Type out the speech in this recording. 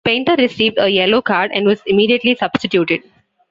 Painter received a yellow card and was immediately substituted.